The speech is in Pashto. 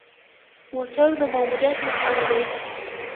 موټر د ماموریت لپاره دی